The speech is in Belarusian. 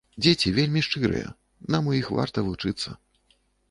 Дзеці вельмі шчырыя, нам у іх варта вучыцца.